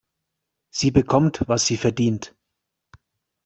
Sie bekommt, was sie verdient.